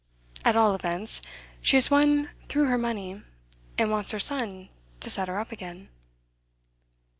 At all events, she has run through her money, and wants her son to set her up again.